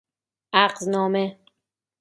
عقد نامه